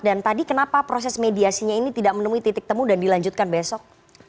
dan tadi kenapa proses mediasinya ini tidak menemui titik temu dan dilanjutkan besok